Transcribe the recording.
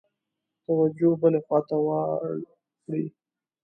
توجه بلي خواته واوړي.